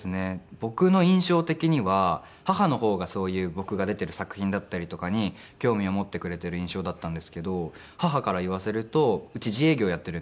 僕の印象的には母の方がそういう僕が出ている作品だったりとかに興味を持ってくれている印象だったんですけど母から言わせるとうち自営業をやっているんですけど。